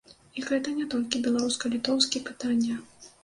І гэта не толькі беларуска-літоўскі пытанне.